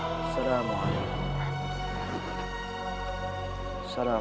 aku tidak ingin mengganggunya